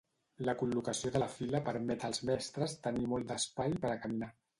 La col·locació de la fila permet als mestres tenir molt d'espai per a caminar.